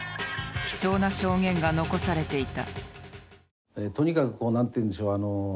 貴重な証言が残されていた。